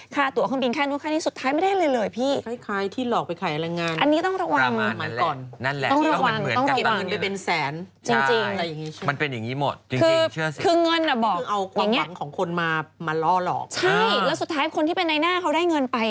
ค่ะตั๋วของบิลแค่นี้สุดท้ายไม่ได้เลยพี่